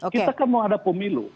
kita kan mau ada pemilu